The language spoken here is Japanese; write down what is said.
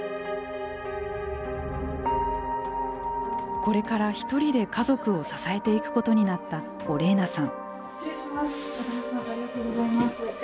これからひとりで家族を支えていくことになったオレーナさん。